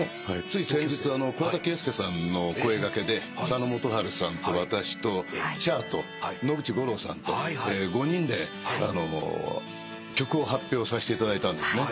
つい先日桑田佳祐さんの声掛けで佐野元春さんと私とＣｈａｒと野口五郎さんと５人で曲を発表させていただいたんですね。